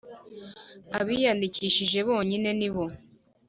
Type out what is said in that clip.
Abiyandikishije bonyine ni bo